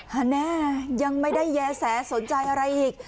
แน่ยังไม่ได้แย้แสสนใจอะไรอีก